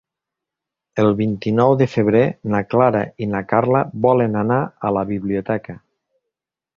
El vint-i-nou de febrer na Clara i na Carla volen anar a la biblioteca.